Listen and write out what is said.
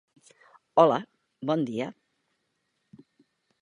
Hola, bon dia...